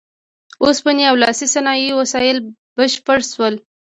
اوسپنې او لاسي صنایعو وسایل بشپړ شول.